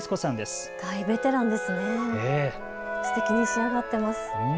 すてきに仕上がってます。